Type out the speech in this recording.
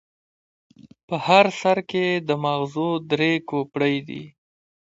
په هر سر کې یې د ماغزو درې کوپړۍ دي.